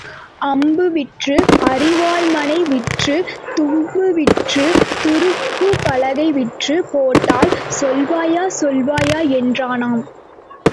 அம்பு விற்று அரிவாள்மனை விற்றுத் தும்பு விற்றுத் துருவுபலகை விற்றுப் போட்டால் சொல்வாயா சொல்வாயா என்றானாம்.